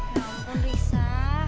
ya ampun risa